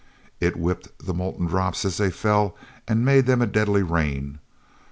t whipped the molten drops as they fell and made of them a deadly rain.